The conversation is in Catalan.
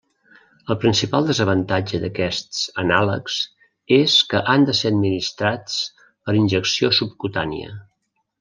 El principal desavantatge d'aquests anàlegs és que han de ser administrats per injecció subcutània.